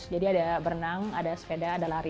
jadi ada berenang ada sepeda ada lari